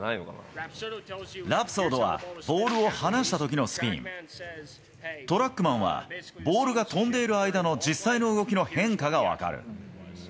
ラプソードは、ボールを離したときのスピン、トラックマンはボールが飛んでいる間の実際の動きの変化が分かる。